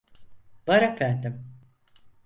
Var efendim.